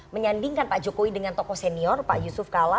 dua ribu empat belas menyandingkan pak jokowi dengan tokoh senior pak yusuf kalla